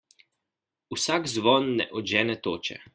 Vsak zvon ne odžene toče.